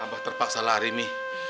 abak terpaksa lari mi